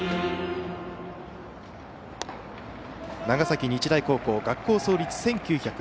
長崎日大高校学校創立